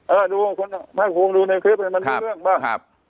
เออดูคุณภาคภูมิดูในคลิปมันมีเรื่องบ้าง